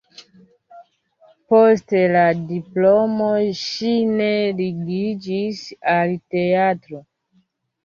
Post la diplomo ŝi ne ligiĝis al teatro.